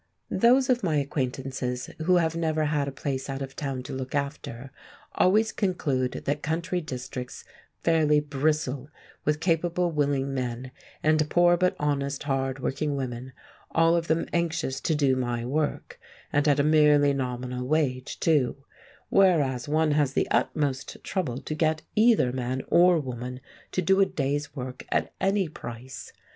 Those of my acquaintances who have never had a place out of town to look after, always conclude that country districts fairly bristle with capable, willing men, and poor but honest, hard working women, all of them anxious to do my work—and at a merely nominal wage too; whereas one has the utmost trouble to get either man or woman to do a day's work at any price.